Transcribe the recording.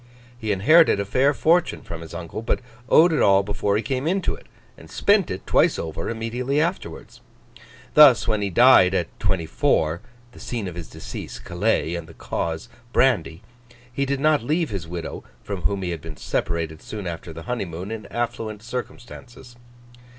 He inherited a fair fortune from his uncle, but owed it all before he came into it, and spent it twice over immediately afterwards. Thus, when he died, at twenty four (the scene of his decease, Calais, and the cause, brandy), he did not leave his widow, from whom he had been separated soon after the honeymoon, in affluent circumstances.